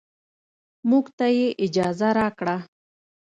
موږ ته يې اجازه راکړه.